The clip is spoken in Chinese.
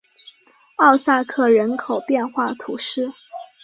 奥萨克人口变化图示